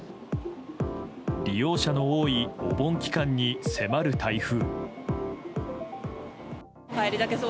利用客の多いお盆期間中に迫る台風。